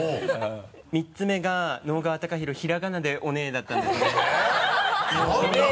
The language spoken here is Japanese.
３つ目が「直川貴博」ひらがなで「おねえ」だったんですね。えっ？